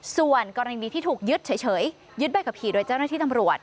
ส่วนกรณีที่ถูกยึดเฉยยึดใบขับขี่โดยเจ้าหน้าที่ตำรวจ